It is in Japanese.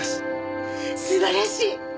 素晴らしい！